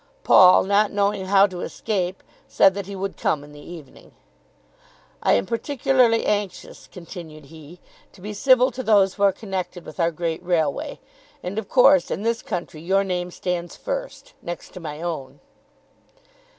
Paul, not knowing how to escape, said that he would come in the evening. "I am particularly anxious," continued he, "to be civil to those who are connected with our great Railway, and of course, in this country, your name stands first, next to my own."